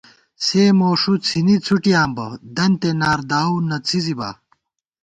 سےموݭُو څھِنی څھُٹیاں بہ دنتے نار داوؤ نہ څھِزِبا